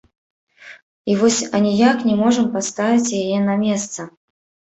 І вось аніяк не можам паставіць яе на месца.